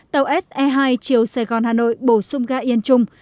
tàu se hai chiều sài gòn hà nội bổ sung ga yên trung